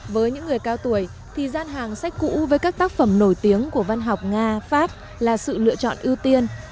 với những người cao tuổi thì gian hàng sách cũ với các tác phẩm nổi tiếng của văn học nga pháp là sự lựa chọn ưu tiên